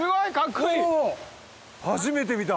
お初めて見た。